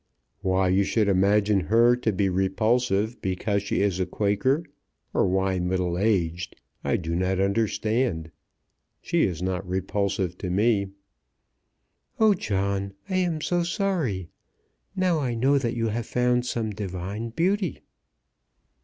"Why you should imagine her to be repulsive because she is a Quaker, or why middle aged, I do not understand. She is not repulsive to me." "Oh, John, I am so sorry! Now I know that you have found some divine beauty."